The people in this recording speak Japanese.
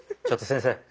ちょっと先生。